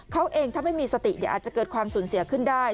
เขาเองถ้าไม่มีสติอาจจะเกิดความสูญเสียขึ้นได้